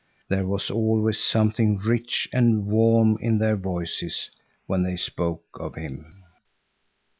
There was always something rich and warm in their voices when they spoke of him.